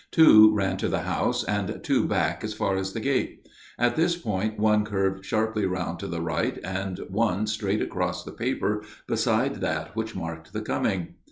Two ran to the house and two back as far as the gate ; at this point one curved sharply round to the right and one straight across the paper beside that which marked the coming.